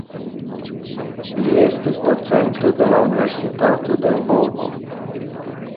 Li estis docento de la Universitato de Lvovo.